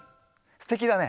すてきだね。